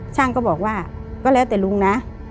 ช่างก็บอกว่าก็แล้วแต่ลุงนะ